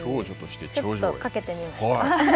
ちょっとかけてみました。